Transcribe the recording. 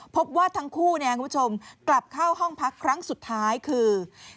พบว่าทั้งคู่คุณผู้ชมกลับเข้าห้องพักครั้งสุดท้ายคือ